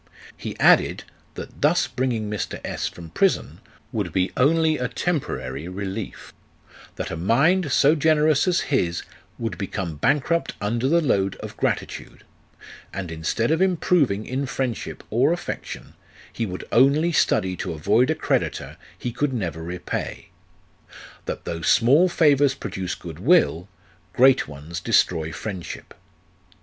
He added, that thus bringing Mr. S from prison would be only a temporary relief ; that a mind so generous as his would become bankrupt under the load of gratitude ; and instead of improving in friendship or affection, he would only study to avoid a creditor he could never repay ; that though small favours produce good will, great ones destroy friendship.